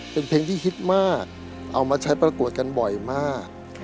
เป็นเพลงที่ฮิตมากเอามาใช้ประกวดกันบ่อยมาก